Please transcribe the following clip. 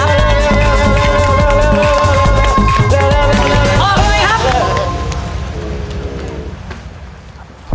ออกเลยครับ